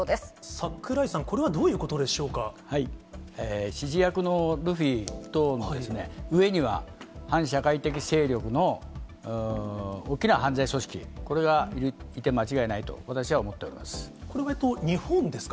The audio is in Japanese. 櫻井さん、指示役のルフィと上には、反社会的勢力の大きな犯罪組織、これがいて間違いないと私は思っこれは日本ですか。